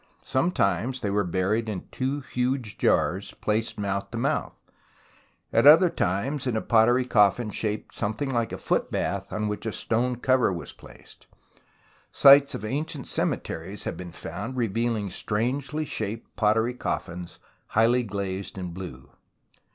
Sometimes THE ROMANCE OF EXCAVATION 159 they were buried in two huge jars placed mouth to mouth, at other times in a pottery cofhn shaped something Hke a foot bath, on which a stone cover was placed ; sites of ancient cemeteries have been found, revealing strangely shaped pottery cofhns, highly glazed in blue.